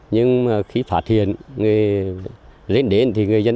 nhưng khi phát hiện lên đến